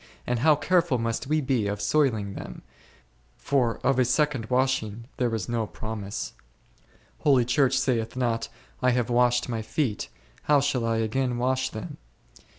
and how careful must we be of soiling them, for of a second washing there is no pro mise. Holy Church saith not, I have washed my feet, how shall I again wash them